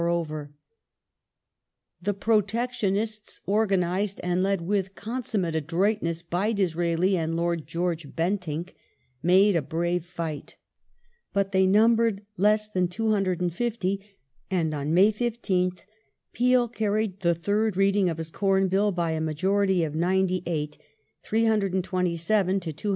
or over. The Protectionists, organized and led with consummate adroit ness by Disraeli and Lord George Bentinck, made a brave fight, but they numbered less than 250, and on May 15th Peel carried the tliird reading of his Corn Bill by a majority of ninety eight (327 to 229).